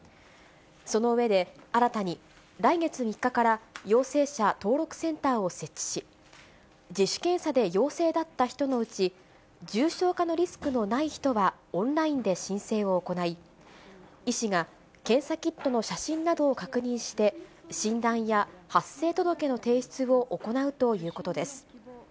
その上で、新たに来月３日から、陽性者登録センターを設置し、自主検査で陽性だった人のうち、重症化のリスクのない人はオンラインで申請を行い、医師が検査キットの写真などを確認して、診断や発生届の提出を行うということです。